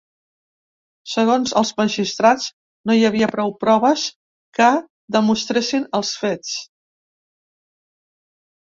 Segons els magistrats, no hi havia prou proves que demostressin els fets.